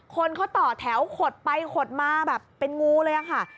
คนเขาต่อแถวขดไปขดมาแบบเป็นงูเลยค่ะ